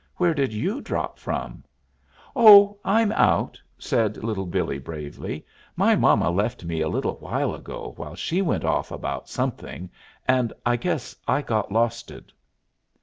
"Where did you drop from?" "Oh, I'm out," said Little Billee bravely. "My mama left me a little while ago while she went off about something, and I guess I got losted."